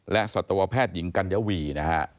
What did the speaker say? และสัตวแพทย์หญิงกัญญวีนะฮะ